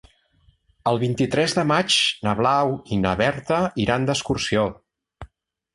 El vint-i-tres de maig na Blau i na Berta iran d'excursió.